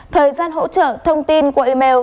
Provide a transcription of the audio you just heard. thời gian hỗ trợ thông tin của email